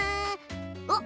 おっ！